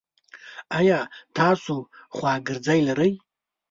ایا تاسو خواګرځی لری؟